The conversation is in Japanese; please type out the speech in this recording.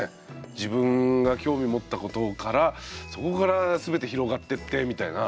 自分が興味持ったことからそこから全て広がってってみたいな。